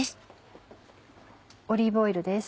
オリーブオイルです。